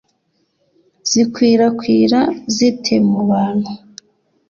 zikwirakwira zite mu bantu